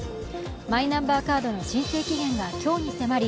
マイナンバーカードの申請期限が今日に迫り